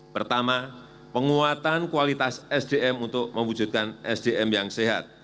pertama penguatan kualitas sdm untuk mewujudkan sdm yang sehat